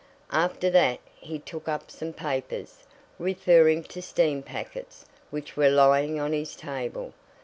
After that, he took up some papers, referring to steam packets, which were lying on his table.